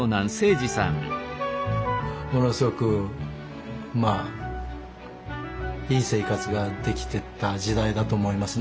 ものすごくまあいい生活ができてた時代だと思いますね。